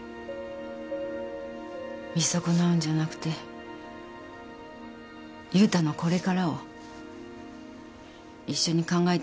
見損なうんじゃなくて悠太のこれからを一緒に考えてあげな。